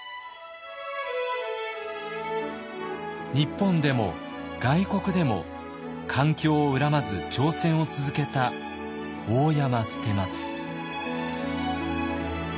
日本でも外国でも環境を恨まず挑戦を続けた大山捨松。